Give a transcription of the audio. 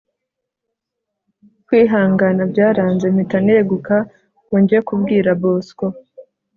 kwihangana byaranze mpita neguka ngo njye kubwira bosco